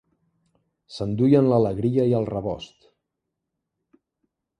S'enduien l'alegria i el rebost